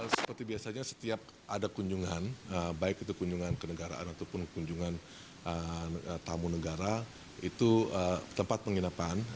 seperti biasanya setiap ada kunjungan baik itu kunjungan ke negaraan ataupun kunjungan tamu negara itu tempat penginapan